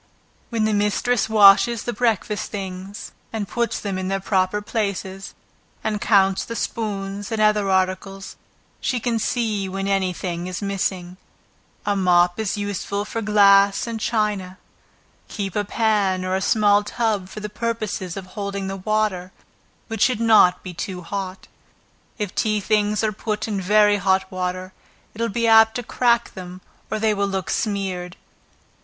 Where the mistress washes the breakfast things, and puts them in their proper places, and counts the spoons, and other articles, she can see when any thing is missing. A mop is useful for glass and china; keep a pan, or a small tub, for the purpose of holding the water, which should not be too hot. If tea things are put in very hot water, it will be apt to crack them or they will look smeared.